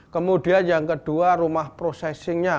kemudian yang kedua rumah processingnya